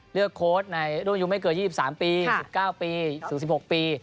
เลือกโค้ชในร่วมยุงไม่เกิน๒๓ปี๑๙ปีถึง๑๖ปี